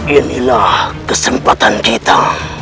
inilah kesempatan kita